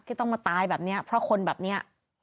ต้องมาตายแบบนี้เพราะคนแบบนี้